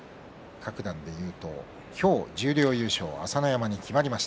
各段でいうと今日、十両優勝は朝乃山に決まりました。